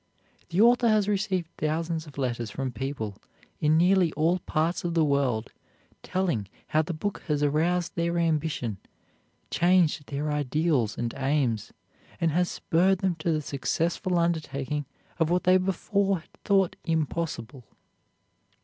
The author has received thousands of letters from people in nearly all parts of the world telling how the book has aroused their ambition, changed their ideals and aims, and has spurred them to the successful undertaking of what they before had thought impossible.